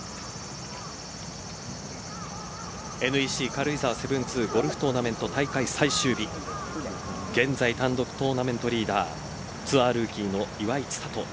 ＮＥＣ軽井沢７２ゴルフトーナメント大会最終日現在単独トーナメントリーダーツアールーキーの岩井千怜。